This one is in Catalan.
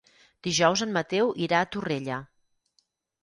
Dijous en Mateu irà a Torrella.